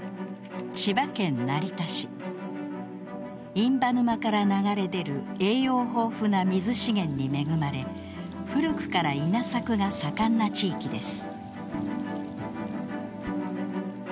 印旛沼から流れ出る栄養豊富な水資源に恵まれ古くから稲作が盛んな地域です。